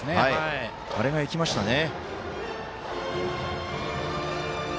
あれが生きましたね。